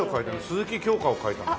鈴木京香を描いたの？